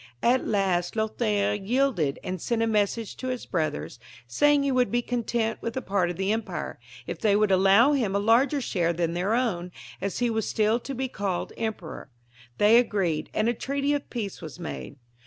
At last Lothaire yielded, and sent a message to his brothers, saying he would be content with a third part of the empire, if they would allow him a larger share than their own, as he was still to be called emperor. They agreed, and a treaty of peace was made.